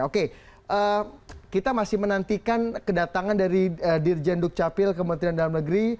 oke kita masih menantikan kedatangan dari dirjen dukcapil kementerian dalam negeri